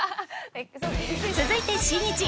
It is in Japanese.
続いてしんいち